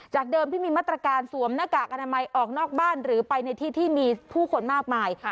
เดิมที่มีมาตรการสวมหน้ากากอนามัยออกนอกบ้านหรือไปในที่ที่มีผู้คนมากมาย